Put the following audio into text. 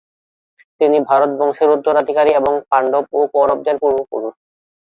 তিনি ভারত বংশের উত্তরাধিকারী এবং পাণ্ডব ও কৌরবদের পূর্বপুরুষ।